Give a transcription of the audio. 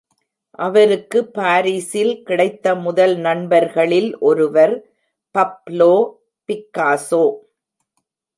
அவருக்கு பாரிஸில் கிடைத்த முதல் நண்பர்களில் ஒருவர் பப்லோ பிக்காசோ.